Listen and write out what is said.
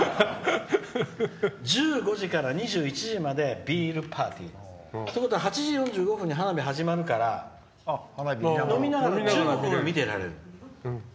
１５時から２１時までビールパーティー。ってことは８時４５分に花火が始まるから飲みながら１５分は見ていられる。